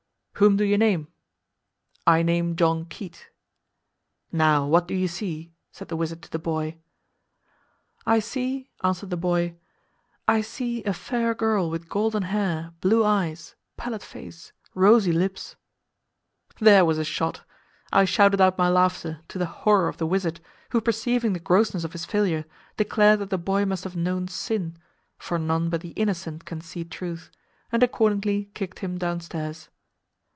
"Whom do you name?"—"I name John Keate."—"Now, what do you see?" said the wizard to the boy.—"I see," answered the boy, "I see a fair girl with golden hair, blue eyes, pallid face, rosy lips." There was a shot! I shouted out my laughter to the horror of the wizard, who perceiving the grossness of his failure, declared that the boy must have known sin (for none but the innocent can see truth), and accordingly kicked him downstairs.